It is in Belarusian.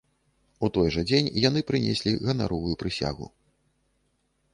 У той жа дзень яны прынеслі ганаровую прысягу.